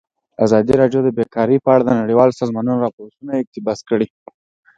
ازادي راډیو د بیکاري په اړه د نړیوالو سازمانونو راپورونه اقتباس کړي.